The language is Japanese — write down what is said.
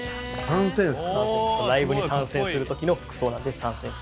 ライブに参戦する時の服装なので参戦服。